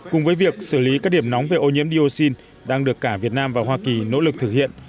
cùng với việc xử lý các điểm nóng về ô nhiễm dioxin đang được cả việt nam và hoa kỳ nỗ lực thực hiện